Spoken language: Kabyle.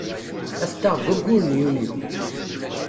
Ad t-taɣ deg wayyur n Yunyu.